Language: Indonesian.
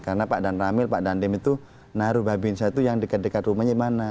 karena pak dan ramil pak dan dem itu naruh mbak bin syah itu yang dekat dekat rumahnya mana